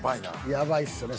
ヤバいっすよね